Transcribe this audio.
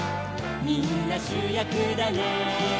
「みんなしゅやくだね」